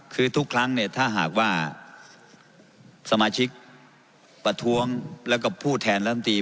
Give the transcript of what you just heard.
คือทุกครั้งถ้าหากว่าสมาชิกประทวงและผู้แทนรัฐมนตรี